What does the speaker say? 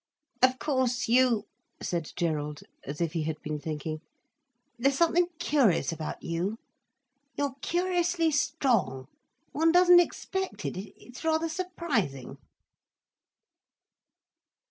"Of course you," said Gerald, as if he had been thinking; "there's something curious about you. You're curiously strong. One doesn't expect it, it is rather surprising."